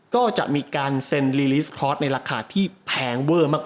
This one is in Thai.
ก็จะมีการเซ็นลีลิสคอร์สในราคาที่แพงเวอร์มาก